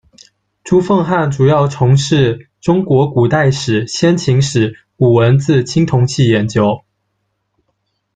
朱凤瀚主要从事中国古代史·先秦史、古文字、青铜器研究。